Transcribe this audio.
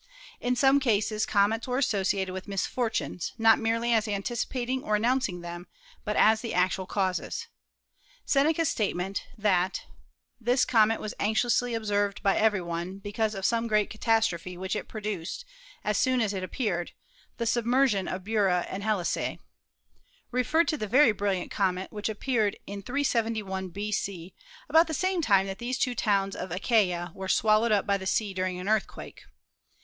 In some cases comets were associated with mis fortunes, not merely as anticipating or announcing them, but as the actual causes. Seneca's statement that "This comet was anxiously observed by every one, because of some great catastrophe which it produced as soon as it appeared, the submersion of Bura and Helice" referred to a very brilliant comet which appeared in 371 b.c. about the same time that these two towns of Achaia were swallowed up by the sea during an earthquake.